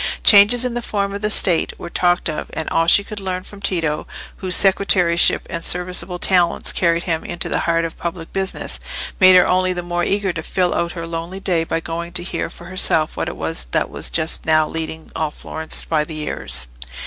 Changes in the form of the State were talked of, and all she could learn from Tito, whose secretaryship and serviceable talents carried him into the heart of public business, made her only the more eager to fill out her lonely day by going to hear for herself what it was that was just now leading all Florence by the ears.